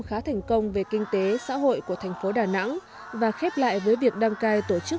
khá thành công về kinh tế xã hội của thành phố đà nẵng và khép lại với việc đăng cai tổ chức